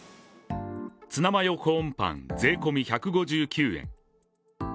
ツナマヨコーンパン税込み１５９円。